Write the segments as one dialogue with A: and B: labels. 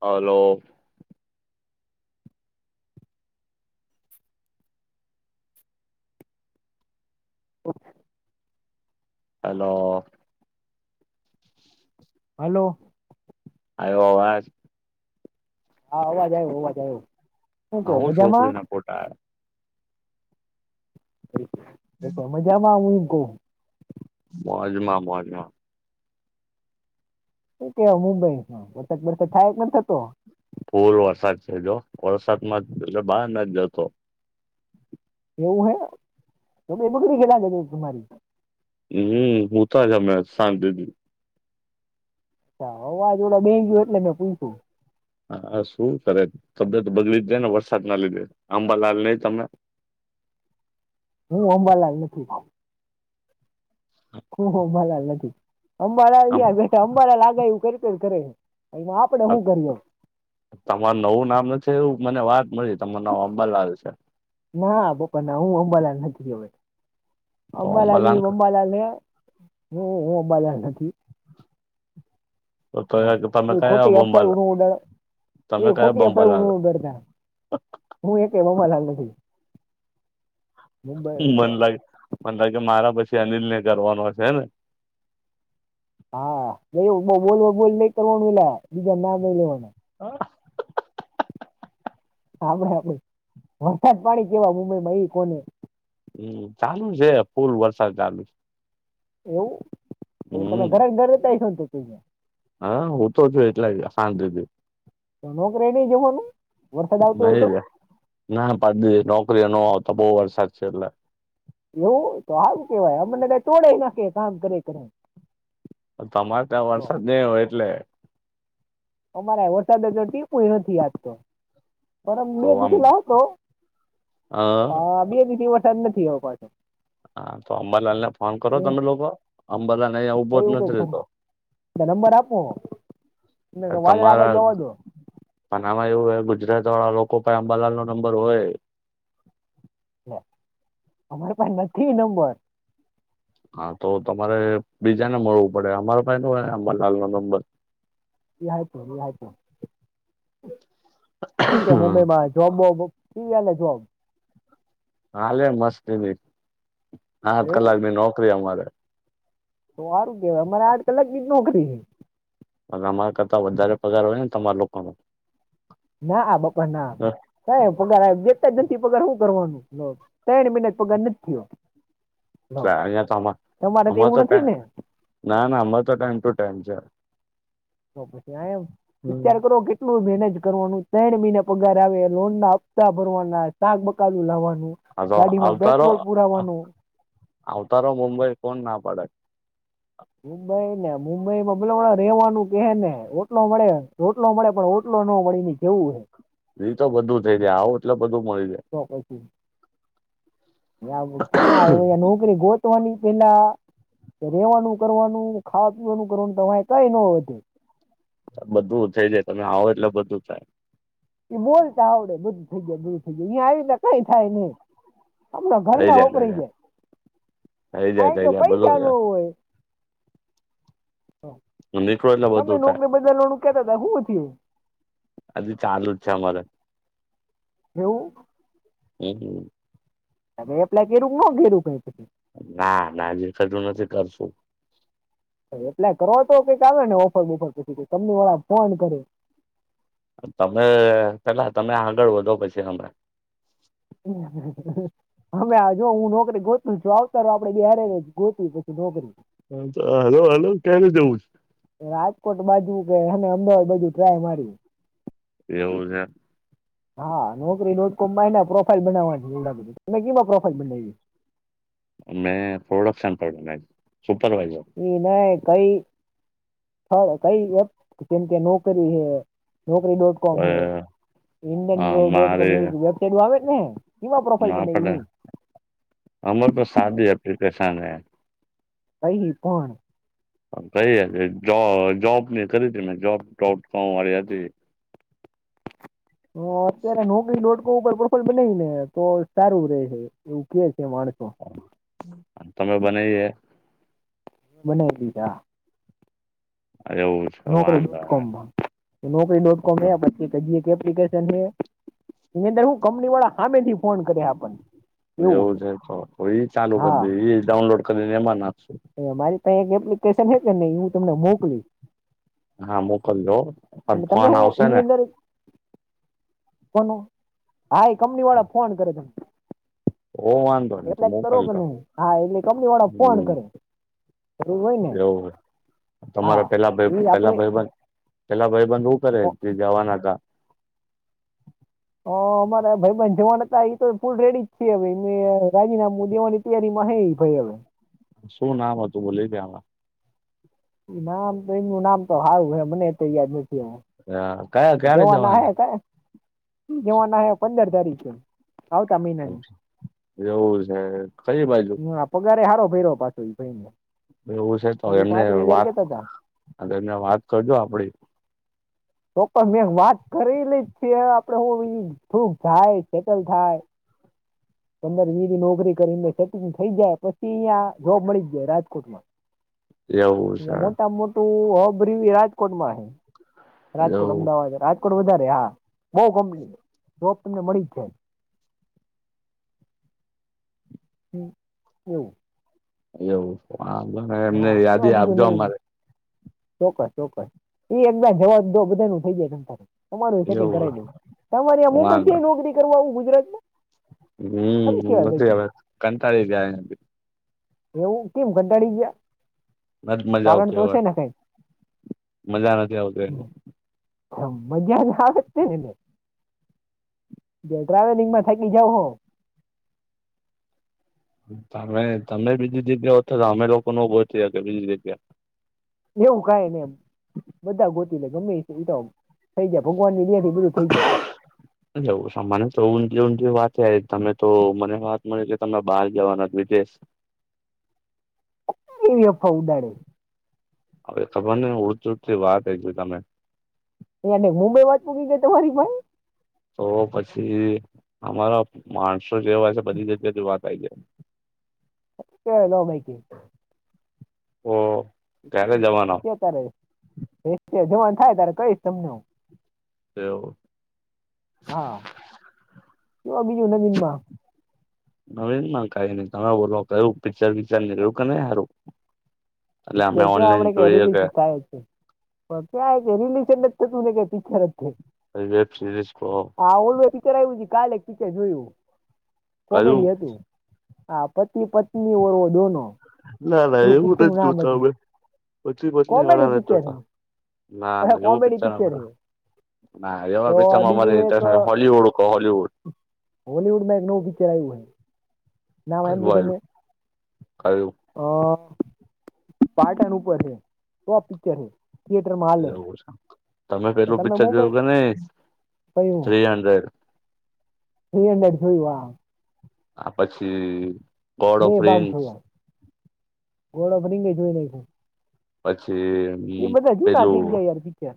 A: Hello.
B: [unintelligible]
A: Hello.
B: Hello.
A: આવ્યો આવાજ
B: હા અવાજ આવ્યો અવાજ આવ્યો. શું કેવો
A: આહું છોકરી
B: મજામાં
A: ના ફોટા
B: એ તમે કેમ આમ મૂકો
A: મોજમાં મોજમાં
B: કેવા મુંબઈમાં વરસાદ બરસાદ થાય કે ન થતો?
A: ફૂલ વરસાદ છે જો વરસાદ માં એટલે બહાર નથ જતો.
B: એવું હે તો બે બકરી [unintelligible] તમારી
A: હમમ હું તો જમં શાંતિ થી
B: અવાજ ઓડે બે ગયો, એટલે મેં પૂછ્યું.
A: હા, શું કરે? તબિયત બગડી દે ને વરસાદ ના લીધે, આંબા લાલ નઈ તમે.
B: હું અંબાલાલ નથી. હહ મ નથી અં
A: આમ
B: ાર બેા અં લાગે એવું કર કરે [unintelligible] આપડે હું કરીયો.
A: તમારી નવું નામ નથી, એવું મને વાત મળી, તમારું નામ અંબાલાલ છે.
B: ના, પપા ના, હું અંબાલાલ નથી, અંબાલાલ અંબાલાલ. હ, હ, બોલ્યા નથી.
A: તો
B: હ
A: તમે કયા
B: ખોટી
A: બંબાલા
B: અાઈું ઓડ [unintelligible]
A: તમે
B: એ
A: કયા
B: ખોટીપાય હ
A: બંબાલાલ
B: દરદ હું એ ક મમાલાાલ નથી [unintelligible] મુંબઈ
A: મને લાગે, મને લાગે, મારા પછી અનિલ ને, કરવાનો હશે હે ને.
B: હા, બોલ, બોલ નઈ કરવાનું, એલા બીજા ના નઈ લેવાના.
A: હા.
B: [unintelligible] ભાઈ, આભાઈ વરસાદ પાણી કેવા મુંબઈમાં એ કોને.
A: હમ, ચાલુ છે, ફૂલ વરસાદ ચાલુ છે.
B: એવું
A: હમ
B: ઘરે દરતા.
A: હા, હું તો છું, એટલા ખા દીધી.
B: ત નક રહેને જેમનું [unintelligible]
A: નહી ના, પ નોકરીઓ ન તો બહુ વરસાદ છે એટલે.
B: એવું તો, આવારું કેવાય, અમને તોડે નાખે કામ કરે.
A: તમારે ત્યાં
B: તો
A: વરસાદ નહી હોય, એટલે.
B: અમારે વરસાદે તો ટીપ નથી આતો. પરમ
A: તો
B: બે
A: આમ
B: દીધ લ હતો,
A: હ
B: બે દીધ વન નથી આવ પાછ. [unintelligible]
A: હા, તો અંબરલાલ ને ફોન કરો તમે લોકો? અંબાલાલ. ઉભો જ
B: એવું કઈ
A: નથી
B: ખરું
A: રતો.
B: નંબર આપો ને વાદળા આ
A: તમારા.
B: બાજુ આવવા દો
A: પણ આમાં એવું હોય, ગુજરાત વાળા લોકો પણ આબલાલ નો નંબર હોય.
B: અમારે પાસે નથી નંબર.
A: હા, તો તમારે બીજાને મળવું પડે, અમારો પાઈ ન હોય, હાલ નો નંબર.
B: પપ શ કે મુંબઈમાં જોમ [unintelligible] થી ગાલે જવા.
A: હાલે, મસ્ત બી સાત
B: એવું
A: કલાક ભી નોકરી અમારે.
B: તો સારું કેવાય, અમારે આઠ કલાક ની જ નોકરી છે.
A: અમારા કરતાં વધારે પગાર હોય ને, તમારા લોકોનો.
B: ના, આ પણ ના. ક પગાર ગેતા જનથી પગાર શું કરવાનું, ત્રણ મહિના પગાર નથી થયો. લો
A: અં તો
B: તમારે
A: અ
B: એવું
A: તો ટ
B: નથી ને
A: ના ના અર તો ટાઈમ ટુ ટાઈમ છે [unintelligible]
B: તો પછી આ એમ
A: હમ.
B: વિચાર કરો કે. કેટલું મેનેજ કરવાનું, ત્રણ મહિના પગાર આવે લો, ના હપ્તા ભરવાના શાક બકાલુ લાવવાનું.
A: હા તો
B: ગાડીમાં
A: આવતારો
B: પેટ્રોલ પુરાવાનું.
A: આવતારો મુંબઈ કોણ ના પડે.
B: મુંબઈ ને, મુંબઈ માં બસ રહેવાનું કે ને, ઓટલો મળે, ઓટલો મળે પણ. કેટલો નો મળી ને, કેવું હે.
A: એ તો બધું થઈ જાય આવું, એટલે બધું મળી જાય.
B: [unintelligible] [unintelligible] ક્યાં નોકરી ગોત વાની પેલા રેવાનું કરવાનું ખાવા પીવાનું કરવાનું તમારે કઈ ન વધે
A: બધું થઈ જાય તમે આવો એટલે બધું થાય
B: ઈ બોલતા આવડે બધુ થઈ જાય બુધ થઈ જાય આવીને કઈ થાય ની હમણા ઘર ના વપરી જાય
A: થઈ જાય
B: આ તો
A: થઈ જાય બધું
B: પૈસા ન હોય
A: નીકળો એટલે
B: તમે
A: બધું થાય
B: નોકરી બદાવાનું કેતા હતા હું થયું
A: આજે ચાલુ જ છે અમારે
B: એવું
A: હમ
B: આપે એપ્લાય કયરુ [unintelligible]
A: ના ના જે થતું નથી કરશું
B: એપ્લાય કરવા તો કઈક આવે ને ઓફર બોફર પછી તમને વાળા ફોન કરે
A: તમે પેલા તમે આગળ વધો પછી અમે
B: [inaudible] અમે આ જો હું નોકરી ગોત છું આવતાર આપડે જ્યારેને ગોતી પછી નોકરી
A: હા હલો હલો ક્યા નું જવું છે
B: રાજકોટ બાજુ કે અને અમદાવાદ બાજુ ટ્રાય મારી
A: એવું છે
B: હા નોકરી ડોટ કોમમાં એને પ્રોફાઈલ બનાવાની તમે કેમાં પ્રોફાઈલ બનાયવી
A: અમે થોડા [unintelligible] સુપરવાઈઝર
B: ઈ ને કઈ હા કઈ એપ કેમ કે નોકરી હે નોકરી ડોટ [unintelligible] વેબસાઇટ આવે ને કેમાં પ્રોફાઇલ
A: ના પડે
B: બનાવી
A: અમર તો સાદી એપ્લિકેશન હે
B: કહી કોણ
A: કહી હતી જો જોબ ની કરી હતી મેં જોબ ડોટ કોમ વાળી હતી
B: હ અત્યારે નોકરી ડોટકો ઉપર પ્રફોલ બનાઈને તો સારું રે છે એવું કે છે માણસો
A: તમે બનાઈએ
B: મને [unintelligible]
A: અરે ઓ
B: નોકરી ડોટ કોમમાં નોકરી ડોટ કોમ એ આપે એક હજી એપ્લિકેશન હે એની અંદર હું કંપની વાળા હામેથી ફોન કરે આપણને
A: એવું છે તો એ ચાલુ કરી
B: હા
A: દે એ ડાઉનલોડ કરીને એમાં નાખશું
B: મારી પાહે એક એપ્લિકેશન હે કે નઇ હું તમને મોકલુ
A: હા મોકલજો પણ
B: એટલે તમે
A: ફોન
B: હું
A: આવશે ને
B: કોનું હા એ કંપની વાળા ફોન કરે તમને
A: તો વાંધો નહી તો
B: એટલે કરો કે
A: મોકલજો
B: નહી હા એટલે કંપની વાળા ફોન
A: હમ
B: કરે જરૂર હોય ને
A: એવું છે.
B: હા
A: તમારા
B: એવી જ આપડે
A: પેલા ભાઈ બંધ હું કરે જે જવાના હતા
B: હ અમારા ભાઈબન જવાના હતા એ તો ફૂલ રેડી જ છે રાજીનામું દેવાની તૈયારીમાં એ ભાઈ હવે
A: શું નામ હતું ભૂલી ગયા માં
B: નામ તો એમનું નામ તો હારું હે મને તો યાદ નથી આવે
A: હ કયા
B: જવાના હ ક જવાના હ પંદર તારીખ આવતા મહિના
A: એવું છે કઈ બાજુ
B: હા પગારે હારો ભય્યો પાછો એ ભાઈ ને
A: એવું છે તો એમને વાત
B: હતા
A: એમને વાત કરજો આપડી
B: તો પણ મેં વાત કરી લ જ છે આપડે હ થૂક થાય સેટલ થાય પંદર વી ની નોકરી કરીને સેટલ થઈ જાય પછી અહીંયા જોબ મળી જ જાય
A: એવું છે
B: રાજકોટમાં મોટા માં મોટું અબરીવી રાજકોટમાં છે રાજકોટ
A: એવું
B: અમદાવાદ રાજકોટ વધારે હા બઉ કંપની જોબ તમને મળી જ છે [unintelligible]
A: એવું હ એમને
B: હા
A: યાદી
B: શું બીજું
A: આપજો
B: નવીન
A: અમારે
B: ચોક્કસ ચોક્કસ એકદ જવાદો બધા નું થઈ જાય ત તમારું સેટિંગ
A: એવું
B: કરાવી તમારે મુંબઈ જય
A: વાંધો
B: નોકરી કરવા આવું ગુજરાત ને
A: હમ્મ નથી હવે કંટાળી જાય
B: એવું કેમ કંટાળી ગયા
A: નથ મજા
B: કારણ
A: આવતી
B: તો
A: હવે
B: છે ને
A: મજા નથી આવતું એને
B: હ મજા ના આવત [unintelligible] જો ટ્રાવેલિંગ માં થાકી જાવ હો
A: તમે તમે બીજી જગ્યા હો તો તો અમે લોકો ન ઉભો થ કે બીજી જગ્યા
B: એવું કઈ ને એમ બધા ગોતી લે ગમે એ તો થઈ જાય ભગવાનની દયા થી બધું થઈ જાય
A: એવું સામાને તો ઊંધિયું ઊંધિયું વાત તમે તો મને વાત મળી કે તમે બહાર જવાના વિદેશ
B: એવી અફા ઉદાડે
A: હવે ખબર નહીં ઊડતી-ઊડતી વાત આવી તમે
B: એ મુંબઈ વાત પૂકી ગઈ તમારી ભાઈ
A: તો પછી અમારા માણસો જેવા છે બધી જગ્યાથી વાત આવી જાય
B: [unintelligible]
A: હમ્મ
B: [unintelligible] તમને હું
A: એવું
B: હા કે બીજું નવીન માં
A: નવીનમાં કઈ નઈ તમે બોલો કયું પિક્ચર-વિક્ચર નીકળ્યું કે નહીં હારું? એટલે અમે
B: પિક્ચર ક્યાં
A: ઓનલાઈન
B: આપડે ક
A: જોઈએ
B: રિલીઝ
A: કે
B: થાય છે ક્યા કે રિલેશન જ તો તુંને ક પિક્ચર જ છે
A: વેબ સિરીઝ કહો
B: હા ઓવેર પિક્ચર આવ્યું છે કાલે એક પિક્ચર જોયું
A: કયું
B: કોમેડી હતું હા પત્ની પત્ની ઓર વો દોનો એવું પિક્ચર નું નામ
A: તો પછ
B: હતું
A: પતલી પતલી
B: કોમેડી
A: વાળાતો
B: પિક્ચર છે
A: ના
B: અચ્છા
A: ના એવું
B: કોમેડી પિક્ચર છે
A: [unintelligible] ના
B: તો
A: એવા પિકચર માં મારે ઇંટ્રેસ્ટ નથી હલીવુડ કો હાલિવુડ
B: હોલિવુડ માં એક નવું પિક્ચર આવ્યું હત
A: કયું
B: [unintelligible] અ
A: આયુ
B: પાર્ટ [unintelligible] પિકચર છે થિયેટરમાં હાલે
A: એવુ છે તમે
B: છે. તો
A: પેલું
B: તમે
A: પિક્ચર
B: મુંબઈ
A: જોયું કે નઈ
B: કહ્યું
A: થ્રી હંડ્રેડ?
B: થ્રી હંડ્રેડ ભઈ વા.
A: આ પછી. ગોડ
B: બે
A: ઓફ
B: બાઉન્સ
A: રિંગ્સ
B: થયા ગોળો બની ને જોઈ લે હું.
A: પછી ઈ
B: જૂના
A: પેલું
B: થઈ ગયા યાર પિક્ચર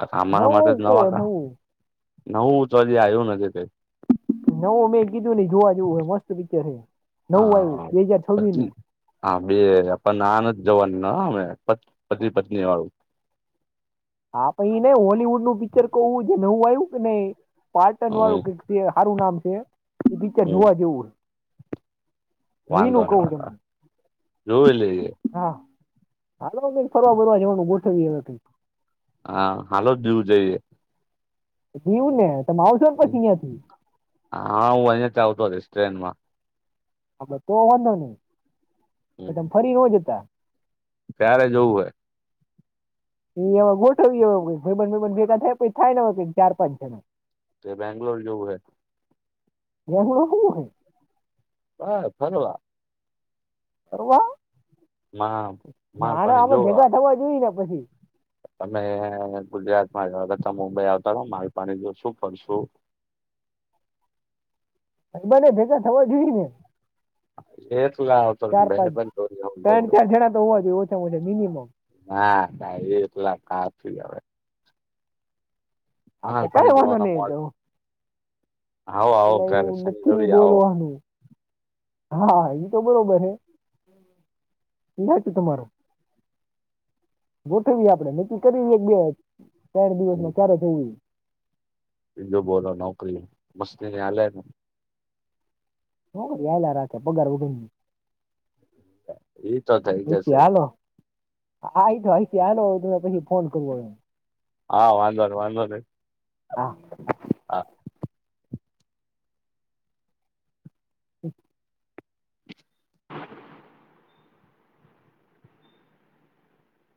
A: અચ્છા અમારા માટે જ
B: નવું કહો
A: નવા હતા.
B: નવું
A: નવું તો હજી આયુ નથી તે.
B: નવું મેં કીધું ની જોવા જેવું હે મસ્ત પિક્ચર છે નવું આવ્યું
A: હા
B: બે હાજર છવ્વીસ
A: પત્ની
B: નું.
A: હા બે આપણ ના નથી જવાની નો હવે પ પતિ પત્ની વાળું.
B: હા પઈ ને હોલલીવુડ નું પિક્ચર કવું છે નવું આવ્યું કે નહિ. પારટન
A: હમ
B: વાળું કઈક કે હારું નામ છે એ પિક્ચર
A: હમ
B: જોવા જેવું હે. હું ઈ ને
A: વાંધો
B: કવું
A: વાંધો
B: નો
A: જોઈ લઈએ
B: હા. આટલું બધું ફરવા બરવા જવાનું ગોઠવી નથી.
A: હા હાલો જ દ્વિવ જોઈએ.
B: દ્વિવ ને તમે આવજો પછી ઈયા થી.
A: હા હું અહિયાં તી આવતો રહીશ ટ્રેન માં.
B: આપણો તો વાંધો નહી પછી તમે ફરી ન જતા.
A: કયારે જવું હે.
B: એ એમાં ગોઠવવી એવું ભાઈબંધ ભાઈબંધ ભેગા થાય થાયને હો ચાર પાંચ જણા
A: તે બેંગ્લોર જેવું હે.
B: બેંગ્લોર હું હે.
A: બાર ફરવા.
B: ફરવા
A: માલ
B: માણ
A: પાણી
B: અમે
A: જોવા
B: ભેગા થવા જોઈ ને પછી
A: તમે ગુજરાત માં જ કરતા મુંબઈ આવતા રો મારી પાણી જો શું ફરશું.
B: અલબ ને ભેગા થવા જોઈને.
A: એ તલા [inaudible]
B: ચાર પાંચ ત્રણ ચાર જણા તો હોવા જોઈએ ઓછામાં ઓછા મિનિમમ.
A: ના કાઈ ની એટલા કાથી હવે.
B: આ તો કઈ
A: માલપાણી
B: વાંધો
A: જવાનો
B: ની એ
A: મોજ
B: તો.
A: આવો આવો
B: એટલે
A: ઘરે
B: એવું
A: શનિ રવિ
B: નથી
A: આવો
B: બોલવાનું હા ઈ તો બરોબર હે યા તો તમારો. ગોઠવીએ આપડે નક્કી કરી એક બે વાય ચાર દિવસમાં ચારે થઈ.
A: જો બોલો નોકરી મસ્તીની આલે ને.
B: હો હાલયા રાખે પગાર વગરની.
A: ઈ તો થઈ
B: રીતે
A: જશે
B: હાલો. આ આ તો આઈ તો આલો તો થોડીક પછી ફોન કરવો હોય એમ.
A: હા વાંધો નહિ વાંધો નહિ
B: હા
A: હા.
B: હમ.